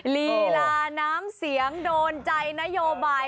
ลีลาน้ำเสียงโดนใจนโยบาย